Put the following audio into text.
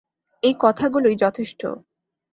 এই কথাগুলোই যথেষ্ট।